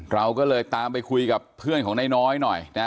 เราก็เลยตามไปคุยกับเพื่อนของนายน้อยหน่อยนะ